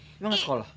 emang nggak sekolah